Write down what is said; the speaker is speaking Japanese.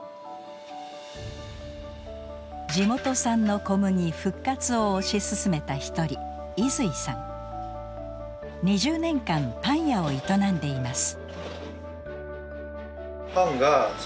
地元産の小麦復活を推し進めた一人２０年間パン屋を営んでいます。